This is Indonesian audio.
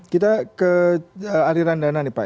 kita ke aliran dana nih pak